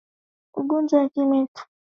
Ugonjwa wa kimeta huathiri ngombe na mbuzi